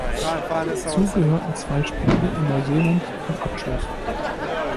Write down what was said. Dazu gehörten zwei Spiele in Neuseeland zum Abschluss.